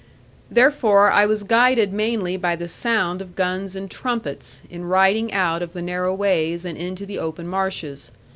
Therefore I was guided mainly by the sound of guns and trumpets, in riding out of the narrow ways, and into the open marshes.